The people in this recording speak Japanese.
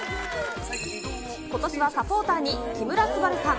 ことしはサポーターに木村昴さん、